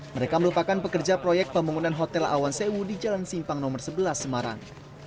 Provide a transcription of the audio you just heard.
mereka merupakan pekerja proyek pembangunan hotel awan sewu di jalan simpang nomor sebelas semarang